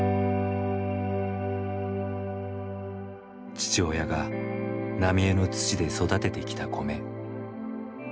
父親が浪江の土で育ててきた米。